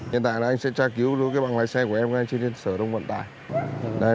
hiện tại anh sẽ tra cứu đối với bằng lái xe của em ngay trên sở đông vận tải